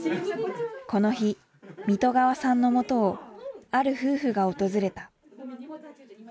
この日水戸川さんのもとをある夫婦が訪れた。